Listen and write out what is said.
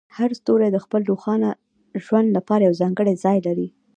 هر ستوری د خپل روښانه ژوند لپاره یو ځانګړی ځای لري.